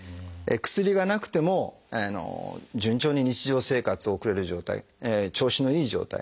薬がなくても順調に日常生活を送れる状態調子のいい状態。